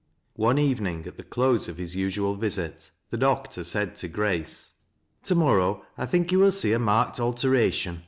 One evenin|^ at the close of his usual visit, the doctor said to Grace :" To morrow, I think, yon will see a marked alteration.